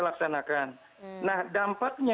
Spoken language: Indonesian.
laksanakan nah dampaknya